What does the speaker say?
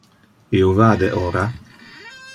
Io vade ora.